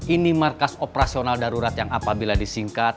ini markas operasional darurat yang apabila disingkat